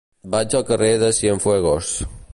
Vaig al carrer de Cienfuegos.